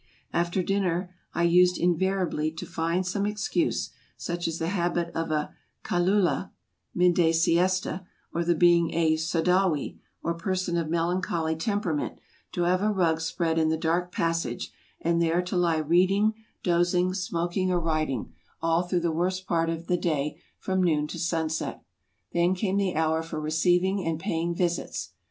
After dinner I used invariably to find some excuse — such as the habit of a " Kaylulah " (midday siesta), or the being a " Saudawi " or person of melancholy temperament — to have a rug spread in the dark passage, and there to lie read ing, dozing, smoking, or writing, all through the worst part of the day, from noon to sunset. Then came the hour for receiving and paying visits.